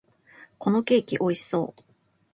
このケーキ、美味しそう！